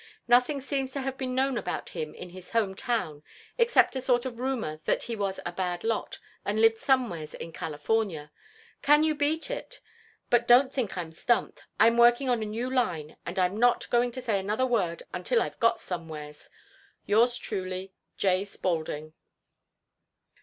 Nothing seems to have been known about him in his home town except a sort of rumor that he was a bad lot and lived somewheres in California. Can you beat it? But don't think I'm stumped. I'm working on a new line and I'm not going to say another word until I've got somewheres. "Yours truly, "J. SPAULDING."